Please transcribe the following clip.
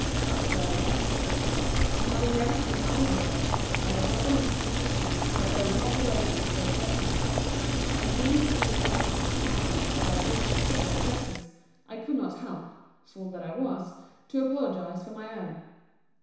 —Such were these impostors: and having never seen either of them, I had not the least suspicion, that they were not the ladies they personated; and being put a little out of countenance by the richness of their dresses, I could not help, (fool that I was!) to apologize for my own.